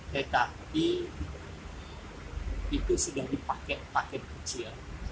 tetapi itu sudah dipakai paket kecil